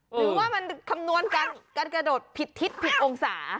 หรือว่ามันคำนวณการกระโดดผิดทิศผิดองศา